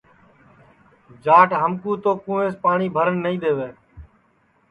جاٹ ہم کُو تو کُووینٚس پاٹؔی بھرن نائی دے وے